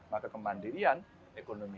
maka kemandirian ekonomi